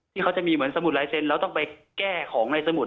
ที่เขาจะมีเหมือนสมุดลายเซ็นต์เราต้องไปแก้ของในสมุด